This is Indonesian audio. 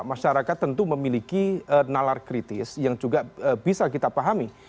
masyarakat tentu memiliki nalar kritis yang juga bisa kita pahami